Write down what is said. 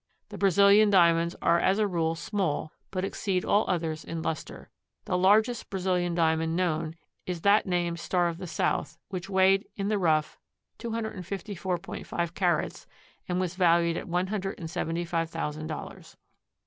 The Brazilian Diamonds are as a rule small, but exceed all others in luster. The largest Brazilian Diamond known is that named Star of the South, which weighed in the rough 254.5 carats and was valued at one hundred and seventy five thousand dollars.